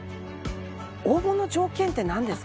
応募の条件ってなんですか？